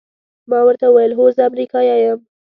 ما ورته وویل: هو، زه امریکایی یم.